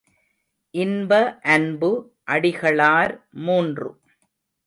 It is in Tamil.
இன்ப அன்பு அடிகளார் மூன்று.